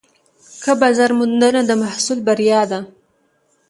ښه بازارموندنه د محصول بریا ده.